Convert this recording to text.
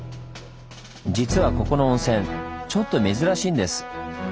実はここの温泉ちょっと珍しいんです。